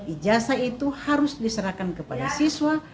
ijazah itu harus diserahkan kepada siswa